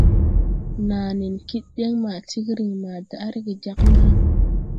Naa nen kid den maa tigrin maa daʼ rege jāg naa.